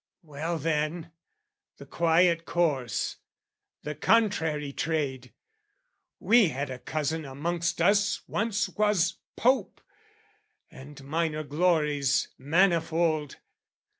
" Well then, the quiet course, the contrary trade! "We had a cousin amongst us once was Pope, "And minor glories manifold.